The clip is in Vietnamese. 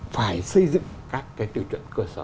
phải xây dựng các cái tiêu chuẩn cơ sở